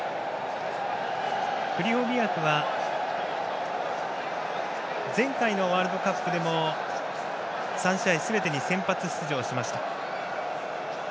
クリホビアクは前回のワールドカップでも３試合すべてに先発出場しました。